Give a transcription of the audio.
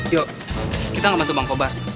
yo kita gak bantu bang kobar